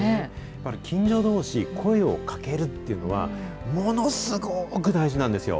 やっぱり近所どうし、声をかけるっていうのは、ものすごく大事なんですよ。